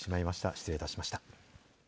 失礼いたしました。